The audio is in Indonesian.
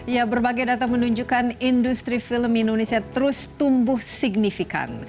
ya berbagai data menunjukkan industri film indonesia terus tumbuh signifikan